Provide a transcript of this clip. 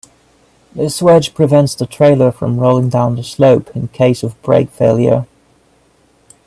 This wedge prevents the trailer from rolling down the slope in case of brake failure.